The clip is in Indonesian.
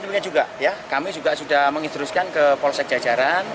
untuk di polsek jajaran juga ya kami juga sudah mengidruskan ke polsek jajaran